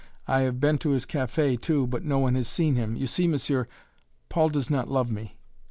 I have been to his café too, but no one has seen him you see, monsieur, Paul does not love me!"